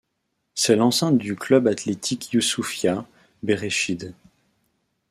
C'est l'enceinte du Club Athletic Youssoufia Berrechid.